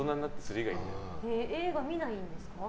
映画を見ないんですか。